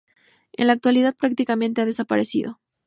En la actualidad prácticamente ha desaparecido.